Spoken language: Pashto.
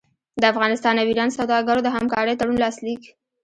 د افغانستان او ایران سوداګرو د همکارۍ تړون لاسلیک